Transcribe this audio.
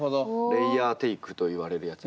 レイヤーテイクといわれるやつですね。